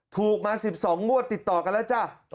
ถูกมา๑๒งวดติดต่อกันแล้วจ้ะ